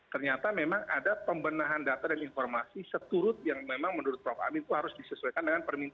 ternyata memang ada pembenahan data dan informasi seturut yang memang menurut prof amin